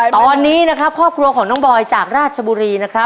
ตอนนี้ครับครอบครัวของทรงบรอยจากราชบุรี